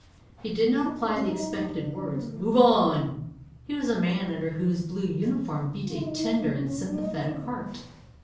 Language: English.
He did not apply the expected words "move on." He was a man under whose blue uniform beat a tender and sympathetic heart.